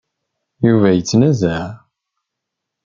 Yuba yettnazaɛ.